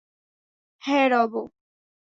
হ্যাঁ, রব।